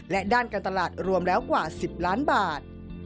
และด้านการตลาดรวมแล้วกว่า๑๐ล้านบาท